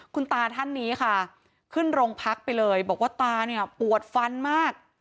คุณตาท่านนี้ค่ะขึ้นโรงพักไปเลยบอกว่าตาเนี่ยปวดฟันมาก